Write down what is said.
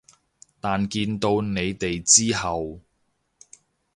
但見到你哋之後